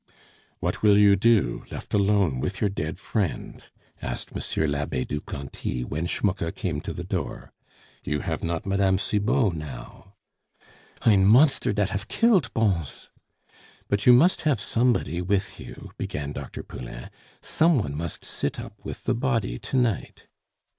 "What will you do, left alone with your dead friend?" asked M. l'Abbe Duplanty when Schmucke came to the door. "You have not Mme. Cibot now " "Ein monster dat haf killed Bons!" "But you must have somebody with you," began Dr. Poulain. "Some one must sit up with the body to night."